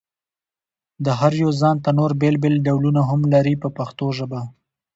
دا هر یو ځانته نور بېل بېل ډولونه هم لري په پښتو ژبه.